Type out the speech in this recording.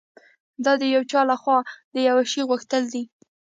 دا د یو چا لهخوا د یوه شي غوښتل دي